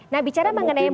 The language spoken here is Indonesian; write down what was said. nah bicara mengenai moral